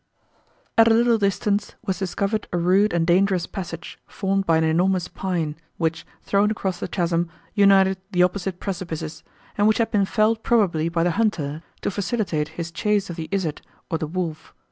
At a little distance, was discovered a rude and dangerous passage, formed by an enormous pine, which, thrown across the chasm, united the opposite precipices, and which had been felled probably by the hunter, to facilitate his chace of the izard, or the wolf.